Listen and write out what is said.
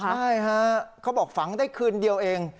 ใช่ฮะเขาบอกฝังได้คืนเดียวเอง